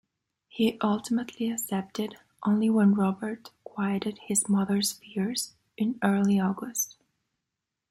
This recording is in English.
He ultimately accepted only when Robert quieted his mother's fears in early August.